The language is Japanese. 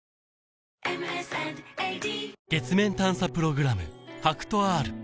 月面探査プログラム